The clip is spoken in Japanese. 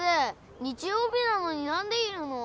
日曜日なのになんでいるの？